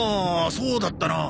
そうだったな。